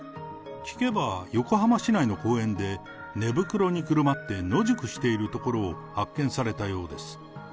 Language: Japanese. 聞けば、横浜市内の公園で、寝袋にくるまって野宿しているところを発見されたようです。